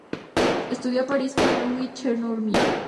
Estudió en París con Luigi Cherubini.